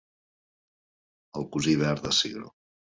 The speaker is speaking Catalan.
El cosí verd del cigró.